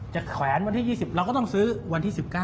แขวนวันที่๒๐เราก็ต้องซื้อวันที่๑๙